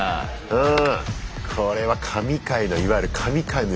うん。